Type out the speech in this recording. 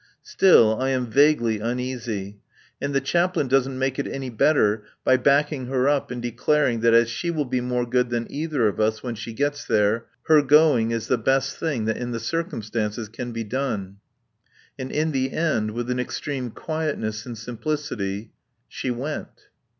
Still, I am vaguely uneasy. And the Chaplain doesn't make it any better by backing her up and declaring that as she will be more good than either of us when she gets there, her going is the best thing that in the circumstances can be done. And in the end, with an extreme quietness and simplicity, she went.